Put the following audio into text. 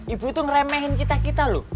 ibu itu ngeremehin kita kita loh